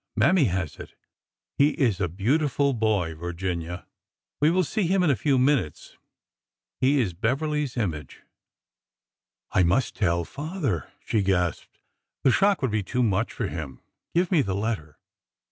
Mammy has it. He is a beautiful boy, Vir A DAY IN JUNE 399 ginia. We will see him in a few minutes. He is Bev erly's image.'" I must tell father," she gasped. The shock would be too much for him. Give me the letter."